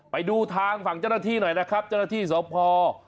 ไปดูทางฝั่งเจ้าหน้าที่หน่อยนะครับเจ้าหน้าที่สพ